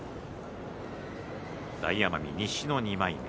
大奄美西の２枚目。